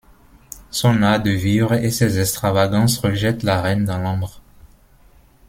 Son art de vivre et ses extravagances rejettent la reine dans l’ombre.